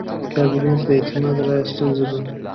کابینې ته د اعتماد رایه ستونزه ده.